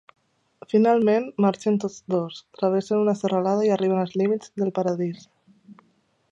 Finalment, marxen tots dos: travessen una serralada i arriben als límits del Paradís.